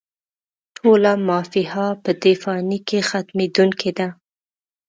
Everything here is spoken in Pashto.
ټوله «ما فيها» په دې فاني کې ختمېدونکې ده